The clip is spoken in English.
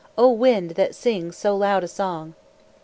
O wind, that sings so loud a song!